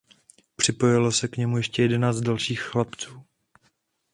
Připojilo se k němu ještě dalších jedenáct chlapců.